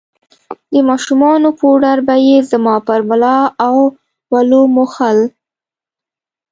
د ماشومانو پوډر به يې زما پر ملا او ولو موښل.